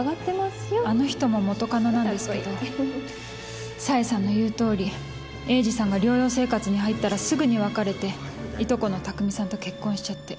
あの人も元カノなんですけど紗英さんの言うとおり栄治さんが療養生活に入ったらすぐに別れていとこの拓未さんと結婚しちゃって。